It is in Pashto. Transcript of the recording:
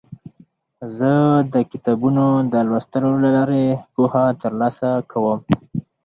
زه د کتابونو د لوستلو له لارې پوهه ترلاسه کوم.